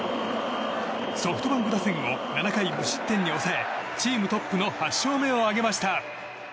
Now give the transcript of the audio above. ソフトバンク打線を７回無失点に抑えチームトップの８勝目を挙げました。